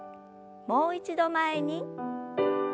もう一度前に。